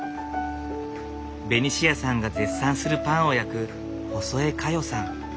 ベニシアさんが絶賛するパンを焼く細江香代さん。